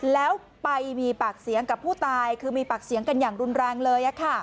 แล้วไปมีปากเสียงกับผู้ตายคือมีปากเสียงกันอย่างรุนแรงเลย